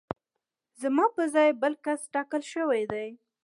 زما په ځای بل کس ټاکل شوی دی